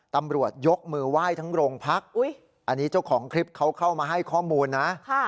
ตำรวจยกมือไหว้ทั้งโรงพักอันนี้เจ้าของคลิปเขาเข้ามาให้ข้อมูลนะ